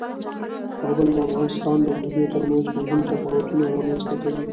کابل د افغانستان د ناحیو ترمنځ مهم تفاوتونه رامنځ ته کوي.